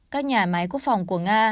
các nhà máy quốc phòng của nga